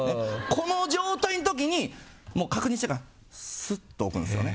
この状態の時に確認してからすっと置くんですよね。